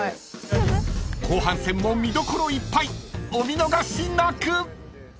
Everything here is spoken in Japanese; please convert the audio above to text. ［後半戦も見どころいっぱいお見逃しなく］